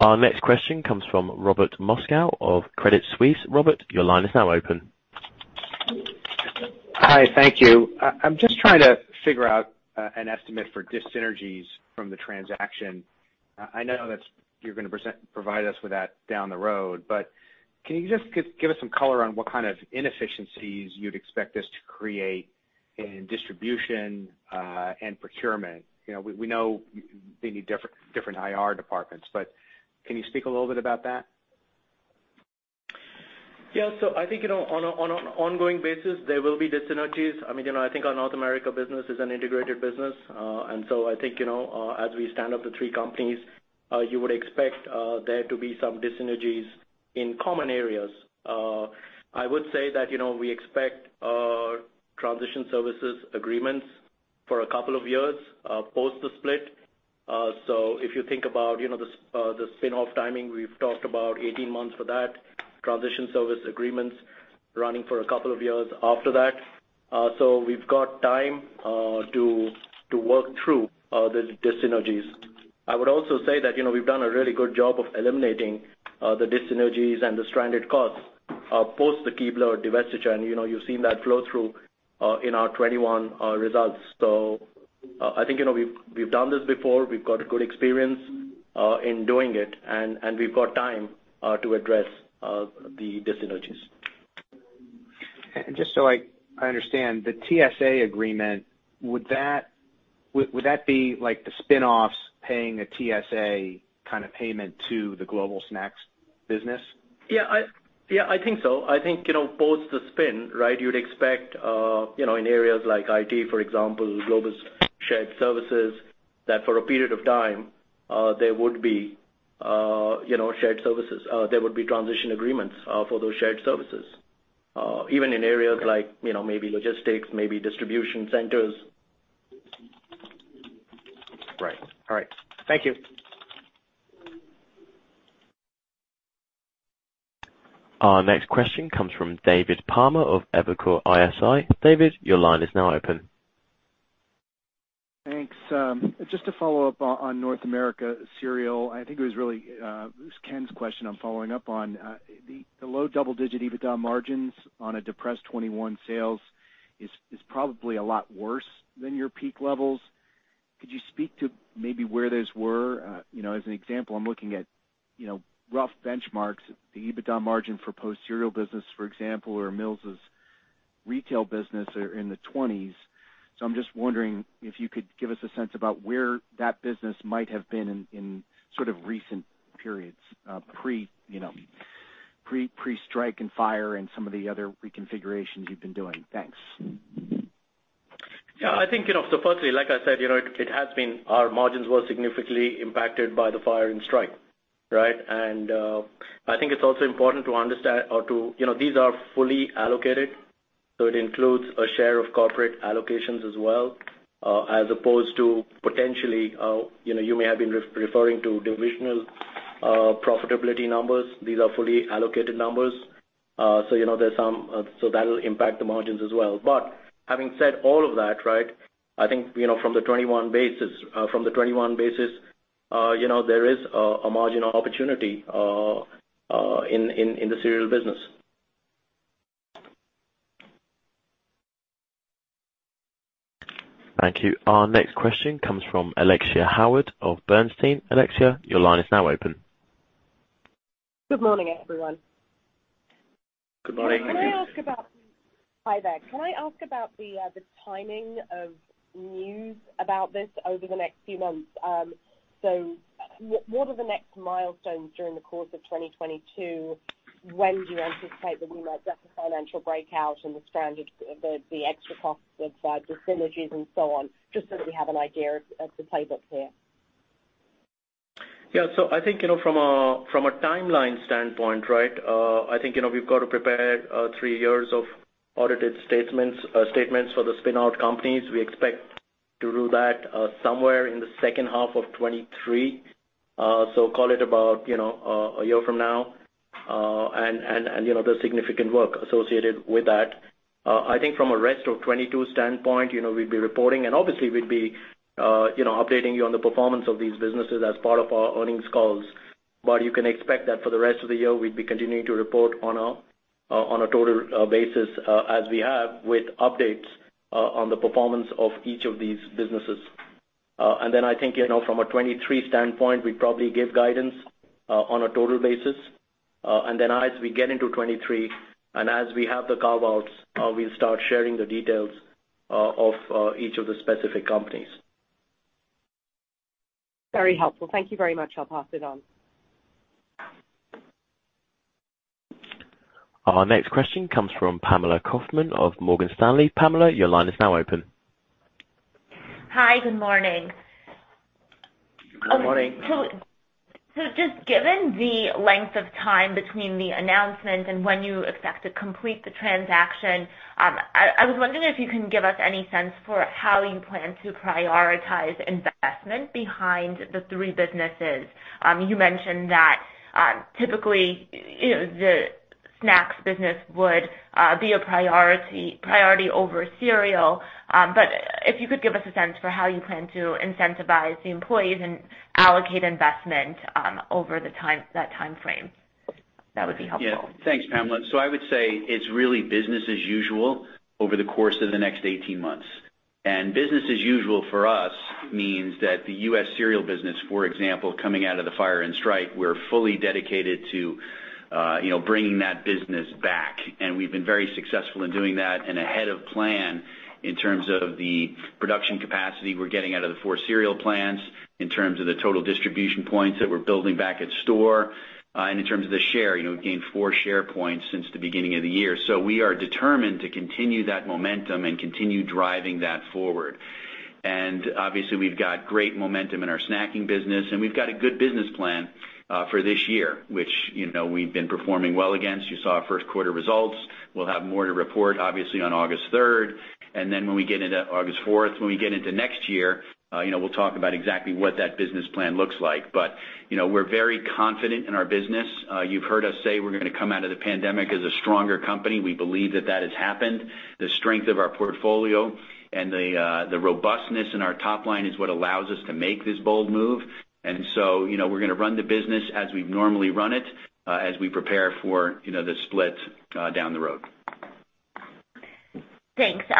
Our next question comes from Robert Moskow of Credit Suisse. Robert, your line is now open. Hi. Thank you. I'm just trying to figure out an estimate for dissynergies from the transaction. I know you're gonna provide us with that down the road. Can you just give us some color on what kind of inefficiencies you'd expect this to create in distribution and procurement? You know, we know they need different IR departments, but can you speak a little bit about that? Yeah. I think, you know, on an ongoing basis, there will be dissynergies. I mean, you know, I think our North America business is an integrated business. I think, you know, as we stand up the three companies, you would expect, there to be some dissynergies in common areas. I would say that, you know, we expect, transition services agreements for a couple of years, post the split. If you think about, you know, the spin-off timing, we've talked about 18 months for that, transition service agreements running for a couple of years after that. We've got time, to work through, the dissynergies. I would also say that, you know, we've done a really good job of eliminating the dissynergies and the stranded costs post the Keebler divestiture. You know, you've seen that flow through in our 2021 results. I think, you know, we've done this before. We've got good experience in doing it, and we've got time to address the dissynergies. Just so I understand, the TSA agreement, would that be like the spin-offs paying a TSA kind of payment to the global snack's business? Yeah. I think so. I think, you know, post the spin, right, you would expect, you know, in areas like IT, for example, Global Shared Services, that for a period of time, there would be, you know, shared services, there would be transition agreements, for those shared services. Even in areas like, you know, maybe logistics, maybe distribution centers. Right. All right. Thank you. Our next question comes from David Palmer of Evercore ISI. David, your line is now open. Thanks. Just to follow up on North America Cereal, I think it was Ken's question I'm following up on. The low double-digit EBITDA margins on a depressed 2021 sales is probably a lot worse than your peak levels. Could you speak to maybe where those were? You know, as an example, I'm looking at rough benchmarks, the EBITDA margin for Post cereal business, for example, or General Mills' retail business are in the 20s. So I'm just wondering if you could give us a sense about where that business might have been in sort of recent periods, pre-strike and fire and some of the other reconfigurations you've been doing. Thanks. I think, you know, firstly, like I said, you know, it has been our margins were significantly impacted by the fire and strike, right? I think it's also important to understand or to you know, these are fully allocated, so it includes a share of corporate allocations as well, as opposed to potentially, you know, you may have been referring to divisional profitability numbers. These are fully allocated numbers. You know, so that'll impact the margins as well. Having said all of that, right, I think, you know, from the 21 basis, you know, there is a margin opportunity in the cereal business. Thank you. Our next question comes from Alexia Howard of Bernstein. Alexia, your line is now open. Good morning, everyone. Good morning. Hi there. Can I ask about the timing of news about this over the next few months? What are the next milestones during the course of 2022? When do you anticipate that we might get the financial breakout and the stranded extra costs of dissynergies and so on, just so that we have an idea of the playbook here? Yeah. I think, you know, from a timeline standpoint, right, I think, you know, we've got to prepare three years of audited statements for the spin-out companies. We expect to do that somewhere in the second half of 2023. Call it about, you know, a year from now. You know, there's significant work associated with that. I think from a rest of 2022 standpoint, you know, we'd be reporting, and obviously we'd be updating you on the performance of these businesses as part of our earnings calls. You can expect that for the rest of the year, we'd be continuing to report on a total basis, as we have with updates on the performance of each of these businesses. I think, you know, from a 2023 standpoint, we'd probably give guidance on a total basis. As we get into 2023 and as we have the carve-outs, we'll start sharing the details of each of the specific companies. Very helpful. Thank you very much. I'll pass it on. Our next question comes from Pamela Kaufman of Morgan Stanley. Pamela, your line is now open. Hi. Good morning. Good morning. Just given the length of time between the announcement and when you expect to complete the transaction, I was wondering if you can give us any sense for how you plan to prioritize investment behind the three businesses. You mentioned that typically, you know, the snacks business would be a priority over cereal. If you could give us a sense for how you plan to incentivize the employees and allocate investment over the time, that timeframe, that would be helpful. Yeah. Thanks, Pamela. I would say it's really business as usual over the course of the next 18 months. Business as usual for us means that the U.S. cereal business, for example, coming out of the fire and strike, we're fully dedicated to, you know, bringing that business back. We've been very successful in doing that and ahead of plan in terms of the production capacity we're getting out of the four cereal plants, in terms of the total distribution points that we're building back at store, and in terms of the share, you know, we've gained four share points since the beginning of the year. We are determined to continue that momentum and continue driving that forward. Obviously, we've got great momentum in our snacking business, and we've got a good business plan for this year, which, you know, we've been performing well against. You saw first quarter results. We'll have more to report, obviously, on August third. When we get into August fourth, when we get into next year, you know, we'll talk about exactly what that business plan looks like. But, you know, we're very confident in our business. You've heard us say we're gonna come out of the pandemic as a stronger company. We believe that that has happened. The strength of our portfolio and the robustness in our top line is what allows us to make this bold move. You know, we're gonna run the business as we've normally run it, as we prepare for, you know, the split, down the road. Thanks. Just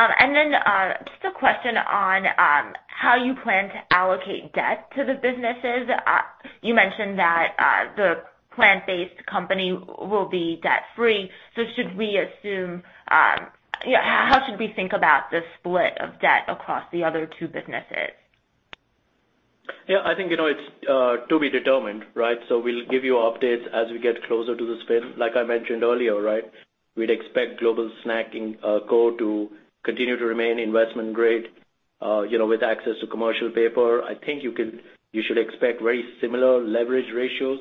a question on how you plan to allocate debt to the businesses? You mentioned that the Plant Co will be debt-free. Should we assume? How should we think about the split of debt across the other two businesses? Yeah, I think, you know, it's to be determined, right? We'll give you updates as we get closer to the spin. Like I mentioned earlier, right, we'd expect Global Snacking Co to continue to remain investment grade, you know, with access to commercial paper. I think you should expect very similar leverage ratios.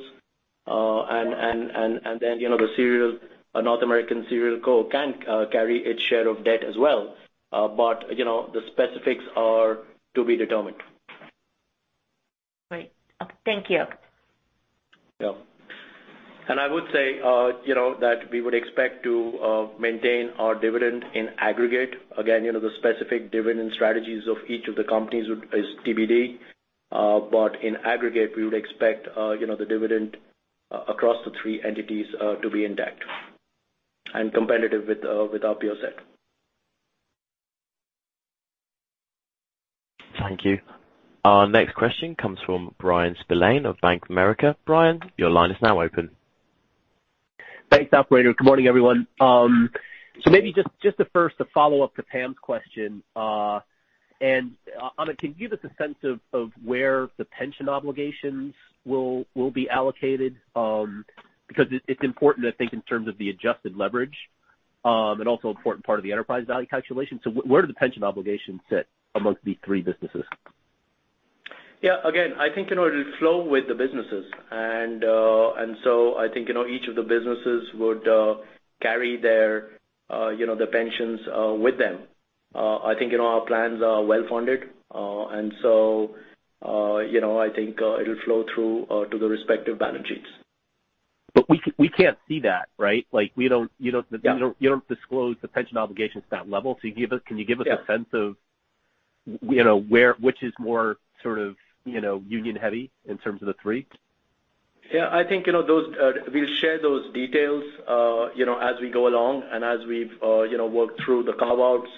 Then, you know, the cereal, North America Cereal Co can carry its share of debt as well. You know, the specifics are to be determined. Great. Thank you. Yeah. I would say, you know, that we would expect to maintain our dividend in aggregate. Again, you know, the specific dividend strategies of each of the companies would be TBD. In aggregate, we would expect, you know, the dividend across the three entities to be intact and competitive with our peer set. Thank you. Our next question comes from Bryan Spillane of Bank of America. Bryan, your line is now open. Thanks, operator. Good morning, everyone. Maybe just a first, a follow-up to Pam's question. Amit, can you give us a sense of where the pension obligations will be allocated? Because it's important, I think, in terms of the adjusted leverage, and also important part of the enterprise value calculation. Where do the pension obligations sit among these three businesses? Yeah. Again, I think, you know, it'll flow with the businesses. I think, you know, each of the businesses would carry their, you know, the pensions with them. I think, you know, our plans are well-funded. You know, I think it'll flow through to the respective balance sheets. We can't see that, right? Like, we don't, you don't- Yeah. You don't disclose the pension obligations at that level. You give us, can you give us- Yeah. A sense of you know, where, which is more sort of, you know, union heavy in terms of the three? Yeah. I think, you know, those, we'll share those details, you know, as we go along and as we've, you know, worked through the carve-outs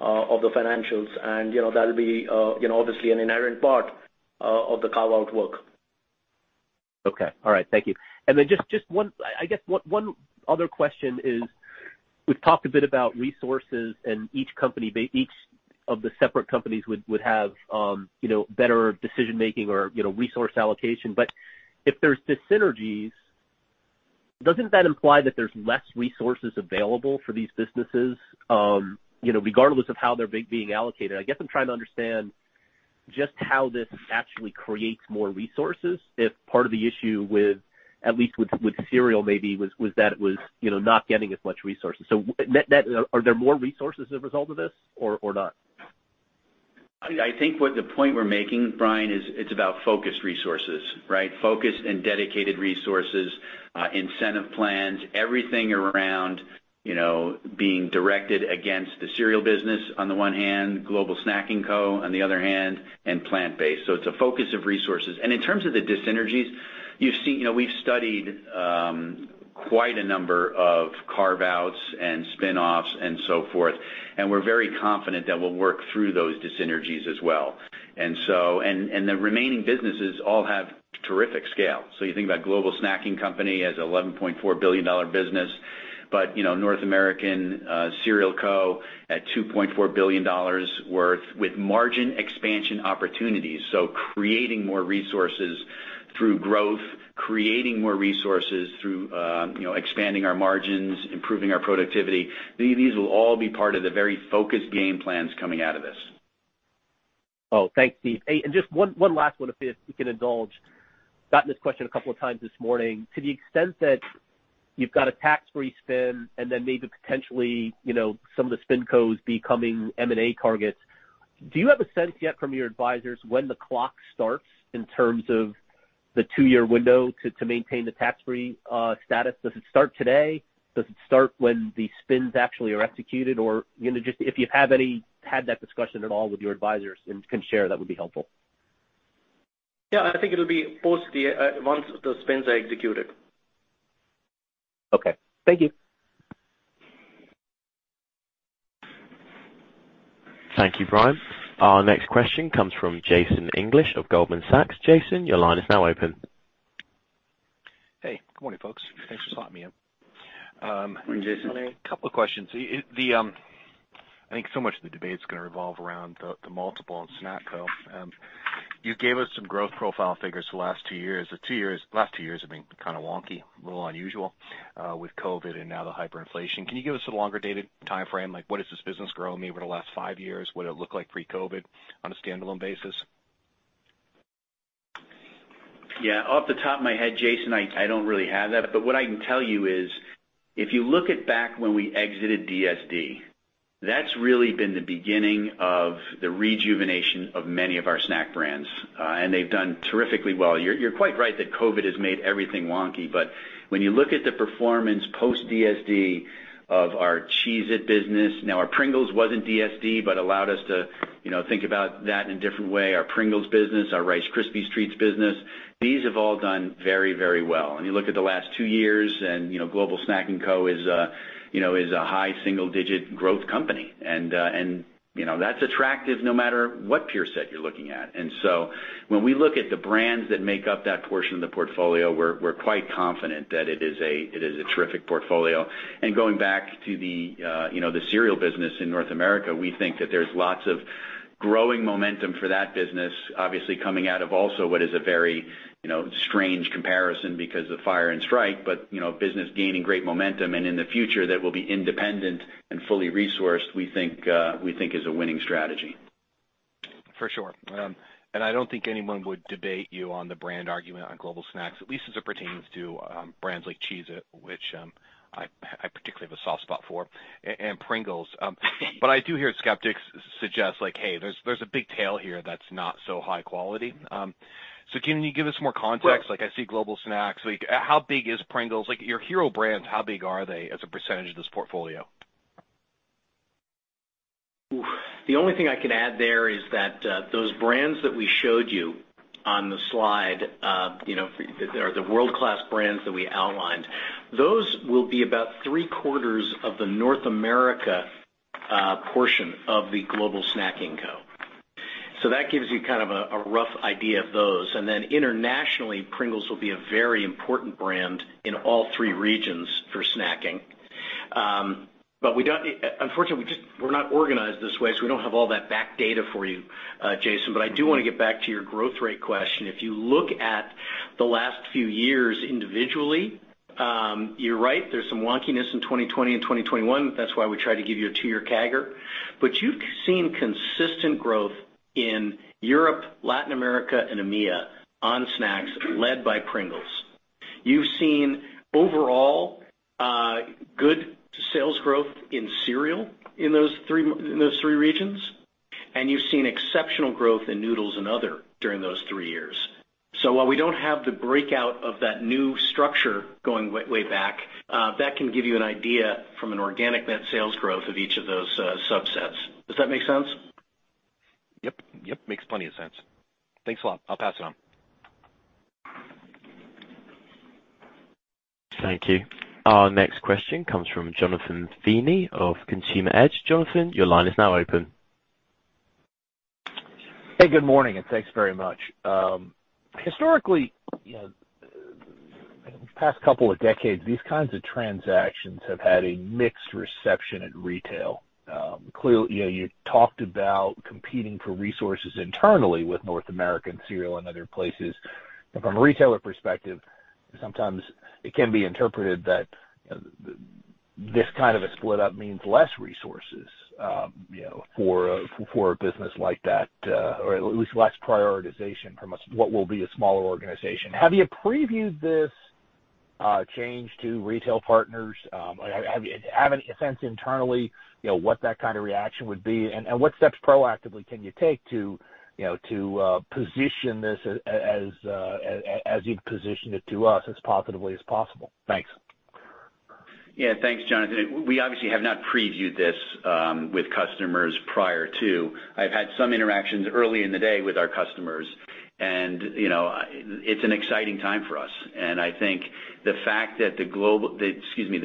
of the financials. You know, that'll be, you know, obviously an inherent part of the carve-out work. Okay. All right. Thank you. I guess one other question is, we've talked a bit about resources and each of the separate companies would have, you know, better decision-making or, you know, resource allocation. If there's dissynergies, doesn't that imply that there's less resources available for these businesses, you know, regardless of how they're being allocated? I guess I'm trying to understand just how this actually creates more resources if part of the issue, at least with cereal, maybe was that it was, you know, not getting as much resources. Are there more resources as a result of this or not? I think what the point we're making, Bryan, is it's about focused resources, right? Focused and dedicated resources, incentive plans, everything around, you know, being directed against the cereal business on the one hand, Global Snacking Co on the other hand, and plant-based. It's a focus of resources. In terms of the dissynergies, you've seen, you know, we've studied quite a number of carve-outs and spin-offs and so forth, and we're very confident that we'll work through those dis-synergies as well. The remaining businesses all have terrific scale. You think about Global Snacking Company as $11.4 billion business, but, you know, North America Cereal Co at $2.4 billion worth with margin expansion opportunities. Creating more resources through growth, creating more resources through, you know, expanding our margins, improving our productivity. These will all be part of the very focused game plans coming out of this. Oh, thanks, Steve. Just one last one, if we can indulge. Gotten this question a couple of times this morning. To the extent that you've got a tax-free spin and then maybe potentially, you know, some of the spin co's becoming M&A targets. Do you have a sense yet from your advisors when the clock starts in terms of the two-year window to maintain the tax-free status? Does it start today? Does it start when the spins actually are executed? Or, you know, just if you have had that discussion at all with your advisors and can share, that would be helpful. Yeah, I think it'll be post the once the spins are executed. Okay. Thank you. Thank you, Bryan. Our next question comes from Jason English of Goldman Sachs. Jason, your line is now open. Hey, good morning, folks. Thanks for spotting me in. Good morning, Jason. A couple of questions. I think so much of the debate is gonna revolve around the multiple on SnackCo. You gave us some growth profile figures for the last two years. The last two years have been kind of wonky, a little unusual, with COVID and now the hyperinflation. Can you give us a longer data timeframe? Like, what is this business grown over the last five years? What it looked like pre-COVID on a standalone basis? Yeah. Off the top of my head, Jason, I don't really have that. What I can tell you is if you look back when we exited DSD, that's really been the beginning of the rejuvenation of many of our snack brands, and they've done terrifically well. You're quite right that COVID has made everything wonky, but when you look at the performance post DSD of our Cheez-It business. Now, our Pringles wasn't DSD, but allowed us to, you know, think about that in a different way. Our Pringles business, our Rice Krispies Treats business, these have all done very, very well. You look at the last two years and, you know, Global Snacking Co is a high single-digit growth company. You know, that's attractive no matter what peer set you're looking at. When we look at the brands that make up that portion of the portfolio, we're quite confident that it is a terrific portfolio. Going back to the cereal business in North America, we think that there's lots of growing momentum for that business, obviously coming out of also what is a very strange comparison because of fire and strike, but business gaining great momentum, and in the future that will be independent and fully resourced, we think is a winning strategy. For sure. I don't think anyone would debate you on the brand argument on global snacks, at least as it pertains to brands like Cheez-It, which I particularly have a soft spot for, and Pringles. But I do hear skeptics suggest like, "Hey, there's a big tail here that's not so high quality." So can you give us more context? Like, I see global snacks. Like, how big is Pringles? Like, your hero brands, how big are they as a percentage of this portfolio? The only thing I can add there is that, those brands that we showed you on the slide, you know, the world-class brands that we outlined, those will be about three-quarters of the North America portion of the Global Snacking Co. That gives you kind of a rough idea of those. Internationally, Pringles will be a very important brand in all three regions for snacking. Unfortunately, we're not organized this way, so we don't have all that back data for you, Jason. I do wanna get back to your growth rate question. If you look at the last few years individually, you're right, there's some wonkiness in 2020 and 2021. That's why we try to give you a two-year CAGR. You've seen consistent growth in Europe, Latin America and AMEA on snacks led by Pringles. You've seen overall good sales growth in cereal in those three regions, and you've seen exceptional growth in noodles and other during those three years. While we don't have the breakout of that new structure going way back, that can give you an idea from an organic net sales growth of each of those subsets. Does that make sense? Yep. Yep, makes plenty of sense. Thanks a lot. I'll pass it on. Thank you. Our next question comes from Jonathan Feeney of Consumer Edge. Jonathan, your line is now open. Hey, good morning, and thanks very much. Historically, you know, past couple of decades, these kinds of transactions have had a mixed reception at retail. Clearly, you know, you talked about competing for resources internally with North America and cereal and other places. From a retailer perspective, sometimes it can be interpreted that this kind of a split up means less resources, you know, for a business like that, or at least less prioritization from what will be a smaller organization. Have you previewed this change to retail partners? Have you any sense internally, you know, what that kind of reaction would be? What steps proactively can you take to, you know, position this as you've positioned it to us as positively as possible? Thanks. Yeah. Thanks, Jonathan. We obviously have not previewed this with customers prior to. I've had some interactions early in the day with our customers and, you know, it's an exciting time for us, and I think the fact that the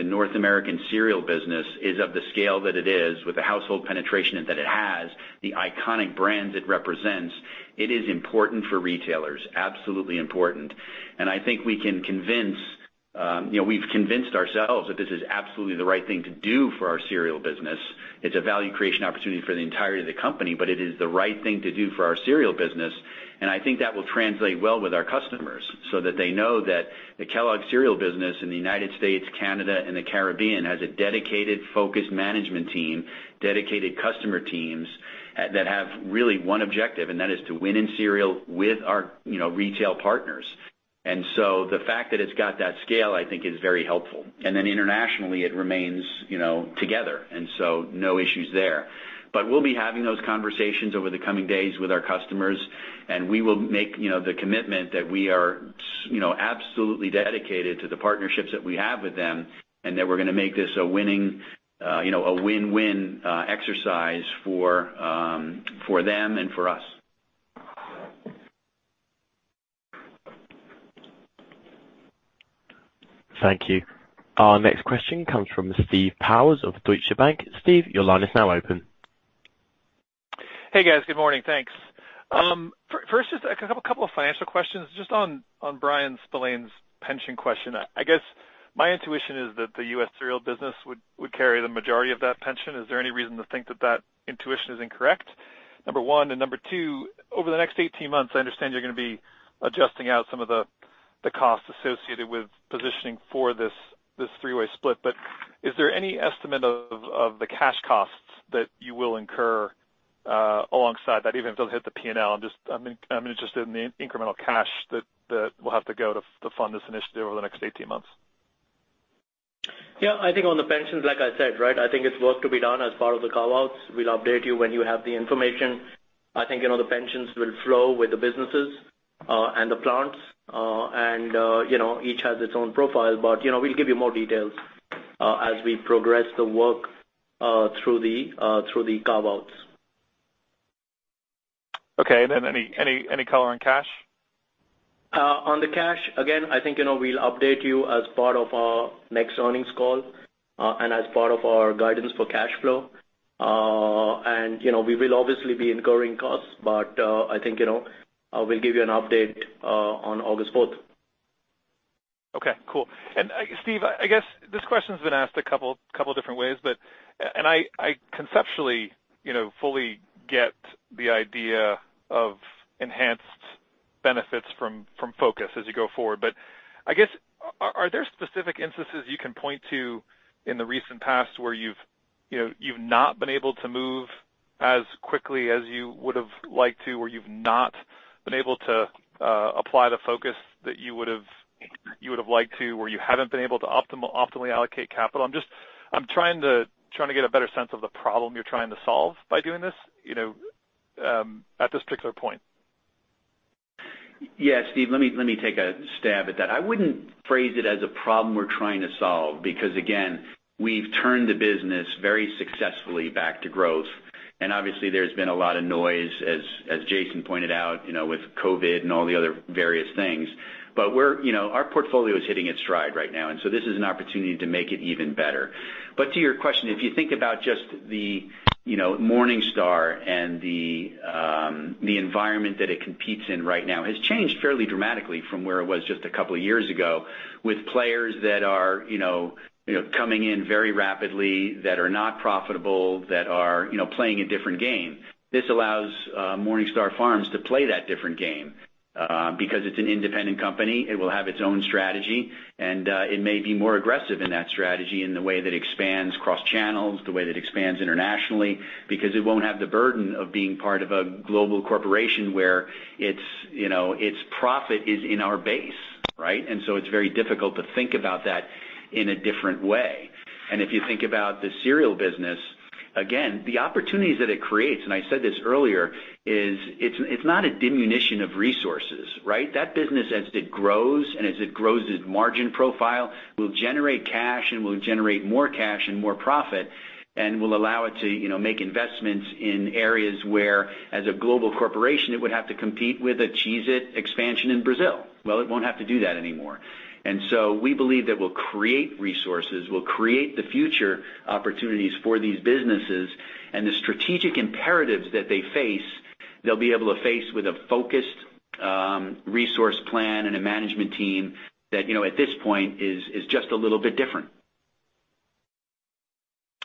North American Cereal business is of the scale that it is with the household penetration that it has, the iconic brands it represents, it is important for retailers, absolutely important. I think we can convince, you know, we've convinced ourselves that this is absolutely the right thing to do for our cereal business. It's a value creation opportunity for the entirety of the company, but it is the right thing to do for our cereal business, and I think that will translate well with our customers so that they know that the Kellogg's Cereal business in the United States, Canada, and the Caribbean has a dedicated, focused management team, dedicated customer teams that have really one objective, and that is to win in cereal with our, you know, retail partners. The fact that it's got that scale I think is very helpful. Internationally, it remains, you know, together, and so no issues there. We'll be having those conversations over the coming days with our customers, and we will make, you know, the commitment that we are, you know, absolutely dedicated to the partnerships that we have with them, and that we're gonna make this a winning, you know, a win-win exercise for them and for us. Thank you. Our next question comes from Steve Powers of Deutsche Bank. Steve, your line is now open. Hey, guys. Good morning. Thanks. First, just a couple of financial questions. Just on Bryan Spillane's pension question. I guess my intuition is that the U.S. cereal business would carry the majority of that pension. Is there any reason to think that intuition is incorrect? Number one. Number two, over the next 18 months, I understand you're gonna be adjusting out some of the costs associated with positioning for this three-way split. Is there any estimate of the cash costs that you will incur alongside that, even if it'll hit the P&L? I'm just interested in the incremental cash that will have to go to fund this initiative over the next 18 months. Yeah. I think on the pensions, like I said, right, I think there's work to be done as part of the carve-outs. We'll update you when we have the information. I think, you know, the pensions will flow with the businesses, and the plants. You know, each has its own profile. You know, we'll give you more details as we progress the work through the carve-outs. Okay, any color on cash? On the cash, again, I think, you know, we'll update you as part of our next earnings call, and as part of our guidance for cash flow. You know, we will obviously be incurring costs, but I think, you know, we'll give you an update on August fourth. Okay, cool. Steve, I guess this question's been asked a couple of different ways. I conceptually, you know, fully get the idea of enhanced benefits from focus as you go forward. I guess, are there specific instances you can point to in the recent past where you've not been able to move as quickly as you would've liked to, or you've not been able to apply the focus that you would've liked to, or you haven't been able to optimally allocate capital? I'm trying to get a better sense of the problem you're trying to solve by doing this at this particular point. Yeah, Steve. Let me take a stab at that. I wouldn't phrase it as a problem we're trying to solve because, again, we've turned the business very successfully back to growth. Obviously there's been a lot of noise as Jason pointed out, you know, with COVID and all the other various things. Our portfolio is hitting its stride right now, and so this is an opportunity to make it even better. To your question, if you think about just the, you know, MorningStar and the environment that it competes in right now has changed fairly dramatically from where it was just a couple of years ago with players that are, you know, coming in very rapidly, that are not profitable, that are, you know, playing a different game. This allows MorningStar Farms to play that different game, because it's an independent company, it will have its own strategy, and it may be more aggressive in that strategy in the way that it expands cross-channels, the way that it expands internationally, because it won't have the burden of being part of a global corporation where its, you know, its profit is in our base, right? It's very difficult to think about that in a different way. If you think about the cereal business, again, the opportunities that it creates, and I said this earlier, is it's not a diminution of resources, right? That business, as it grows and as it grows its margin profile, will generate cash and will generate more cash and more profit and will allow it to, you know, make investments in areas where, as a global corporation, it would have to compete with a Cheez-It expansion in Brazil. Well, it won't have to do that anymore. We believe that we'll create resources, we'll create the future opportunities for these businesses. The strategic imperatives that they face, they'll be able to face with a focused resource plan and a management team that, you know, at this point is just a little bit different.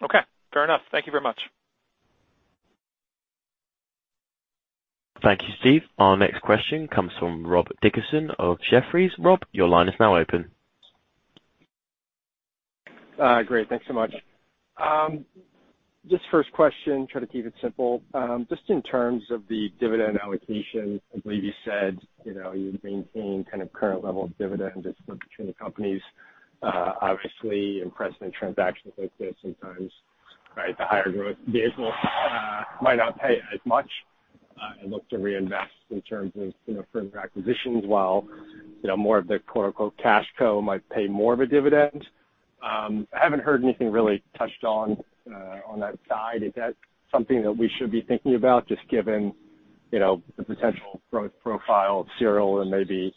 Okay, fair enough. Thank you very much. Thank you, Steve. Our next question comes from Rob Dickerson of Jefferies. Rob, your line is now open. Great. Thanks so much. Just first question, try to keep it simple. Just in terms of the dividend allocation, I believe you said, you know, you maintain kind of current level of dividend and split between the companies. Obviously in precedent transactions like this sometimes, right, the higher growth vehicle might not pay as much and look to reinvest in terms of, you know, further acquisitions while, you know, more of the "cash co" might pay more of a dividend. I haven't heard anything really touched on that side. Is that something that we should be thinking about just given, you know, the potential growth profile of cereal and maybe,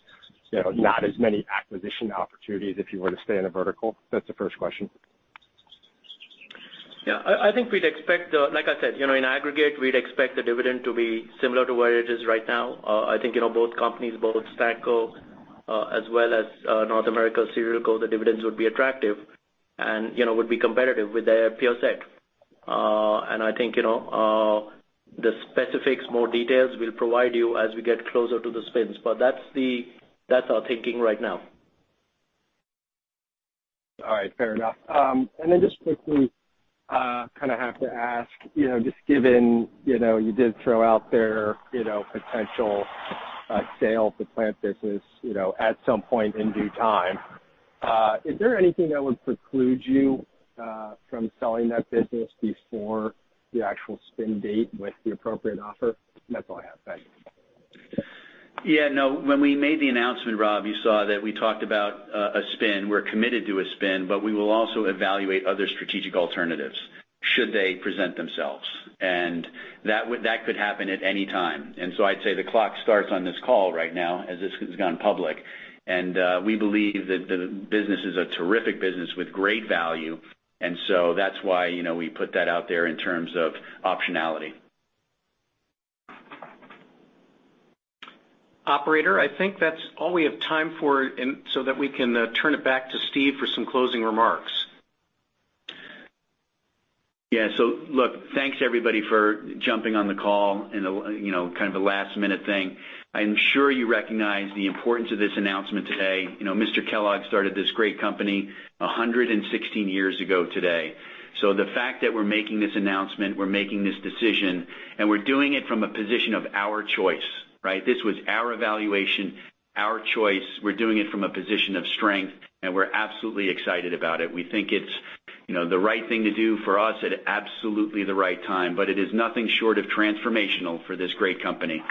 you know, not as many acquisition opportunities if you were to stay in a vertical? That's the first question. Yeah. I think we'd expect. Like I said, you know, in aggregate, we'd expect the dividend to be similar to where it is right now. I think, you know, both companies, both Snack Co, as well as North America Cereal Co, the dividends would be attractive and, you know, would be competitive with their peer set. I think, you know, the specifics, more details we'll provide you as we get closer to the spins. That's our thinking right now. All right, fair enough. Just quickly, kind of have to ask, you know, just given, you know, you did throw out there, you know, potential sale of the plant business, you know, at some point in due time, is there anything that would preclude you from selling that business before the actual spin date with the appropriate offer? That's all I have. Thanks. Yeah, no. When we made the announcement, Rob, you saw that we talked about a spin. We're committed to a spin, but we will also evaluate other strategic alternatives should they present themselves. That could happen at any time. I'd say the clock starts on this call right now as this has gone public. We believe that the business is a terrific business with great value. That's why, you know, we put that out there in terms of optionality. Operator, I think that's all we have time for so that we can turn it back to Steve for some closing remarks. Yeah. Look, thanks, everybody, for jumping on the call and, you know, kind of a last-minute thing. I'm sure you recognize the importance of this announcement today. You know, Mr. Kellogg started this great company 116 years ago today. The fact that we're making this announcement, we're making this decision, and we're doing it from a position of our choice, right? This was our evaluation, our choice. We're doing it from a position of strength, and we're absolutely excited about it. We think it's, you know, the right thing to do for us at absolutely the right time. It is nothing short of transformational for this great company.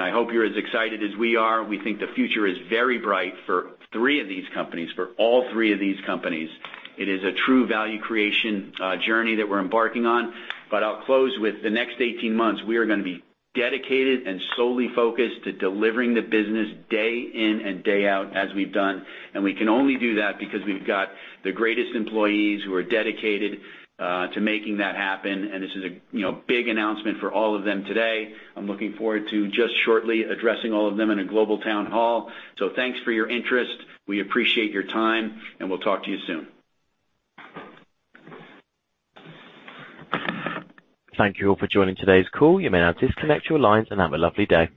I hope you're as excited as we are. We think the future is very bright for three of these companies, for all three of these companies. It is a true value creation journey that we're embarking on. I'll close with the next 18 months, we are gonna be dedicated and solely focused to delivering the business day in and day out as we've done. We can only do that because we've got the greatest employees who are dedicated to making that happen. This is a, you know, big announcement for all of them today. I'm looking forward to just shortly addressing all of them in a global town hall. Thanks for your interest. We appreciate your time, and we'll talk to you soon. Thank you all for joining today's call. You may now disconnect your lines and have a lovely day.